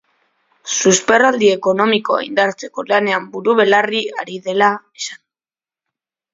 Susperraldi ekonomikoa indartzeko lanean buru-belarri ari dela esan du.